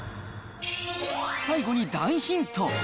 最後に大ヒント。